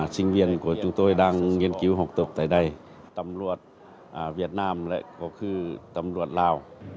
sinh viên của chúng tôi đang nghiên cứu học tập tại đây tầm luật việt nam lại có khu tầm luật lào